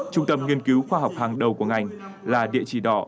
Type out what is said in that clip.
trung tâm nghiên cứu khoa học hàng đầu của ngành là địa chỉ đỏ